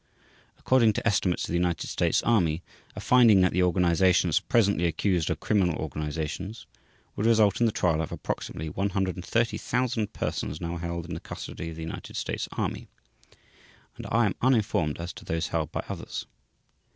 According to estimates of the United States Army, a finding that the organizations presently accused are criminal organizations would result in the trial of approximately 130,000 persons now held in the custody of the United States Army; and I am uninformed as to those held by others.